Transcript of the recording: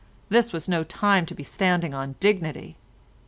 This was no time to be standing on dignity.